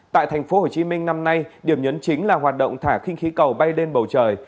tại thành phố hồ chí minh năm nay điểm nhấn chính là hoạt động thả khinh khí cầu bay lên bầu trời